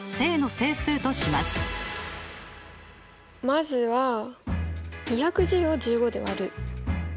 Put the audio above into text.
まずは２１０を１５で割る。